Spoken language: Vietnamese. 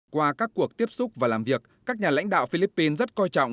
qua các cuộc tiếp xúc và làm việc các nhà lãnh đạo philippines rất coi trọng